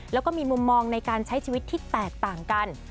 แล้วก็มีมุมมองในการใช้ชีวิตที่แตกต่างกัน